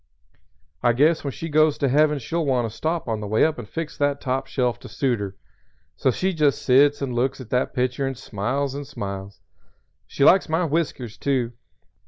I guess when she goes to Heaven she'll want to stop on the way up and fix that top shelf to suit her. So she just sits and looks at that picture and smiles and smiles. She likes my whiskers, too.